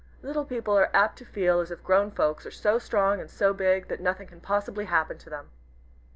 Little people are apt to feel as if grown folks are so strong and so big, that nothing can possibly happen to them.